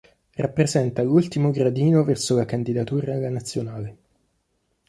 Rappresenta l'ultimo gradino verso la candidatura alla nazionale.